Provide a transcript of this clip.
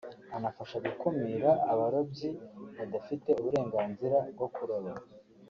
anafasha gukumira abarobyi badafite uburenganzira bwo kuroba